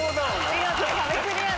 見事壁クリアです。